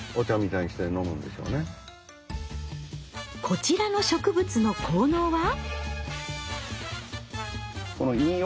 こちらの植物の効能は？